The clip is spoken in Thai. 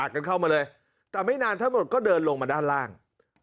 กันเข้ามาเลยแต่ไม่นานทั้งหมดก็เดินลงมาด้านล่าง